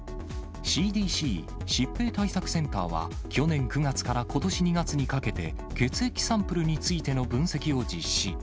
ＣＤＣ・疾病対策センターは、去年９月からことし２月にかけて、血液サンプルについての分析を実施。